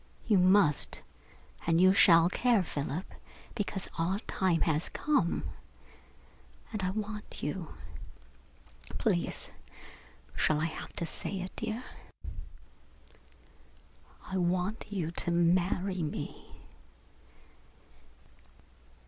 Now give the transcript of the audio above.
You must and you shall care, Philip, because our time has come, and I want you, please shall I have to say it, dear? I want you to marry me."